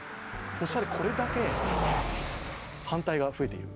保守派でこれだけ反対が増えている。